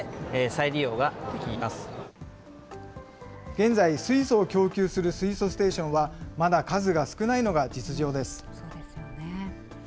現在、水素を供給する水素ステーションは、まだ数が少ないのが実情です。